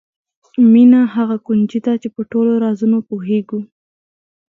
مینه هغه کونجي ده چې په ټولو رازونو پوهېږو.